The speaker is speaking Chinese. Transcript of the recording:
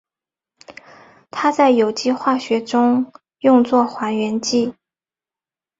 它在有机化学中用作还原剂。